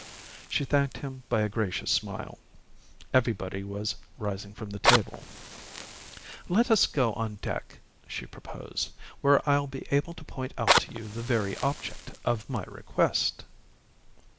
She thanked him by a gracious smile. Everybody was rising from the table. "Let us go on deck," she proposed, "where I'll be able to point out to you the very object of my request."